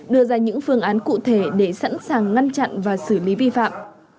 đưa ra những phương án cụ thể để sẵn sàng ngăn chặn và xử lý vi phạm